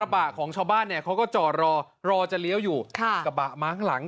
บะของชาวบ้านเนี่ยเขาก็จอดรอรอจะเลี้ยวอยู่ค่ะกระบะม้าข้างหลัง